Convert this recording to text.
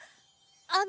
あの。